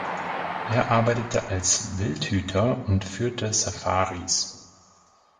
Er arbeitete als Wildhüter und führte Safaris.